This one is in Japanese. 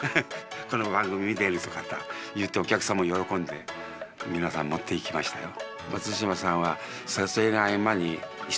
この番組見てるって方お客さんも喜んで皆さん持っていきましたよ。